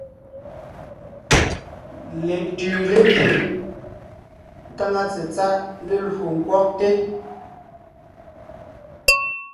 Letʉʉ lépye, nkáŋa tsetsáʼ lélwo ńkwɔgte.